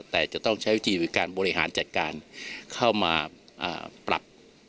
แต่จะต้องใช้วิธีหรือการบริหารจัดการเข้ามาปรับ